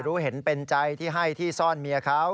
รู้เห็นเป็นใจที่ให้ที่ซ่อนเมียเขา